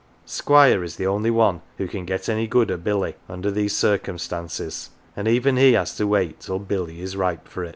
Squire is the only one who "can get any good o 1 Billy" under these circumstances, and even he has to wait till Billy is " ripe for it."